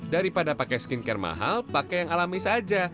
daripada pakai skincare mahal pakai yang alami saja